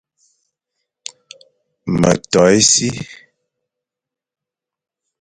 Me to e si,